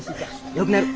よくなる。